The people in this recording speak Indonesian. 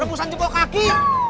rebusan jempol kaki